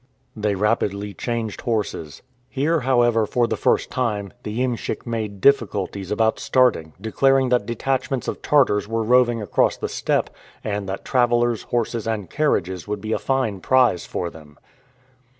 They rapidly changed horses. Here, however, for the first time, the iemschik made difficulties about starting, declaring that detachments of Tartars were roving across the steppe, and that travelers, horses, and carriages would be a fine prize for them.